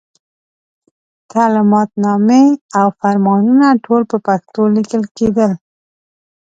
تعلماتنامې او فرمانونه ټول په پښتو لیکل کېدل.